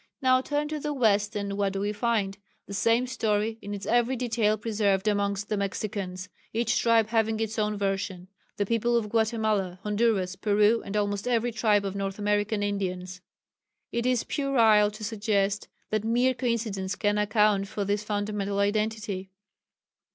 Now turn to the west and what do we find? The same story in its every detail preserved amongst the Mexicans (each tribe having its own version), the people of Guatemala, Honduras, Peru, and almost every tribe of North American Indians. It is puerile to suggest that mere coincidence can account for this fundamental identity.